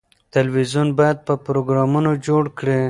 تلویزیون باید پروګرامونه جوړ کړي.